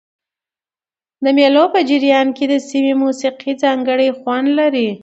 د مېلو په جریان کښي د سیمي موسیقي ځانګړی خوند لري.